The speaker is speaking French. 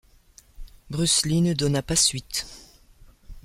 Bruce Lee ne donna pas suite.